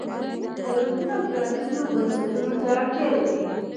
دولتونه پرانیستو بنسټونو ته اړتیا لري.